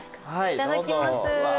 いただきます。